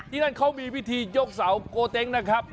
นั่นเขามีพิธียกเสาโกเต็งนะครับ